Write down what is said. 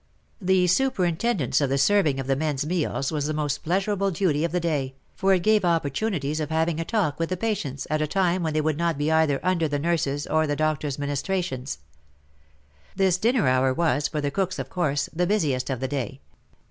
The superintendence of the serving of the men's meals was the most pleasurable duty of the day, for it gave opportunities of having a talk with the patients at a time when they would not be either under the nurse's or the doctor's ministrations. This dinner hour was, for the cooks of course, the busiest of the day.